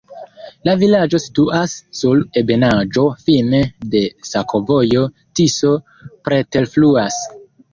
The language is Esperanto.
La vilaĝo situas sur ebenaĵo, fine de sakovojo, Tiso preterfluas.